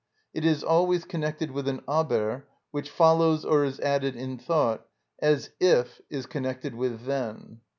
It is always connected with an "aber" which follows or is added in thought, as "if" is connected with "then."